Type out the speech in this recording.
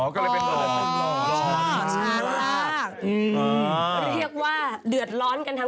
อ๋อก็เลยเป็นท่าน